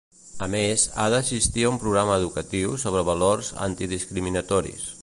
A més, ha d'assistir a un programa educatiu sobre valors antidiscriminatoris.